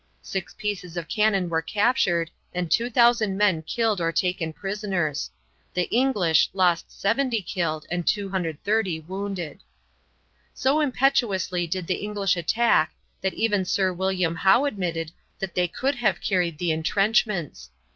Six pieces of cannon were captured and 2000 men killed or taken prisoners. The English lost 70 killed and 230 wounded. So impetuously did the English attack that even Sir William Howe admitted that they could have carried the intrenchments.